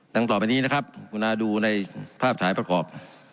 ต่อไปนี้นะครับคุณาดูในภาพถ่ายประกอบ